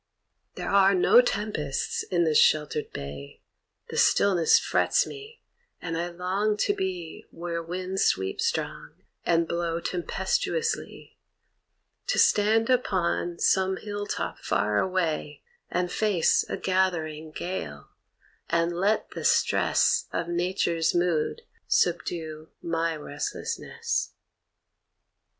There are no tempests in this sheltered bay, The stillness frets me, and I long to be Where winds sweep strong and blow tempestuously, To stand upon some hill top far away And face a gathering gale, and let the stress Of Nature's mood subdue my restlessness.